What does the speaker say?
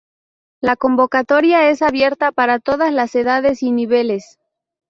La convocatoria es abierta para todas las edades y niveles.